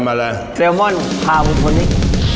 เซลม่อนพาพวกคนนี้